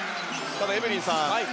ただ、エブリンさん